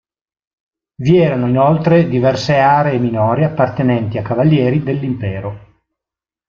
Vi erano inoltre diverse aree minori appartenenti a cavalieri dell'impero.